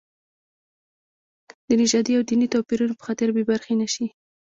د نژادي او دیني توپیرونو په خاطر بې برخې نه شي.